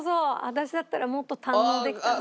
私だったらもっと堪能できたのに。